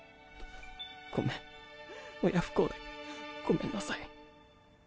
ごめん親不孝でごめんなさい。